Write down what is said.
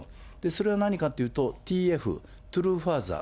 それは何かっていうと、ＴＦ、トゥルーファーザー